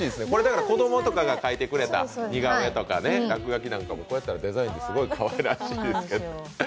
子供とかが描いてくれた似顔絵とか落書きもこうやったらデザイン、すごいかわいらしいですけど。